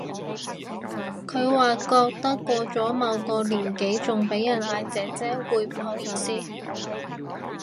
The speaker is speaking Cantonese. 佢話覺得過咗某個年紀仲俾人嗌姐姐會唔好意思